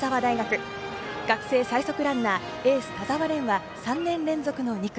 学生最速ランナー、エース・田澤廉が３年連続の２区。